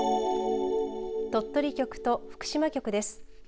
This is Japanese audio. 鳥取局と福島局です。